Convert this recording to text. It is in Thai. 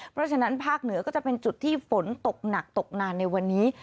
เพราะฉะนั้นภาคเหนือก็จะเป็นจุดที่ฝนตกหนักตกนานในวันนี้